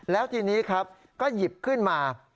แล้วทีนี้ครับก็หยิบขึ้นมา